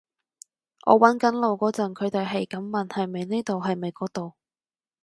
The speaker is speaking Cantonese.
我搵緊路嗰陣，佢哋喺咁問係咪呢度係咪嗰度